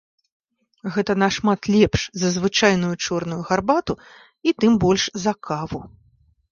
Гэта нашмат лепш за звычайную чорную гарбату і тым больш за каву.